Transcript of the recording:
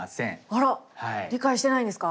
理解してないんですか？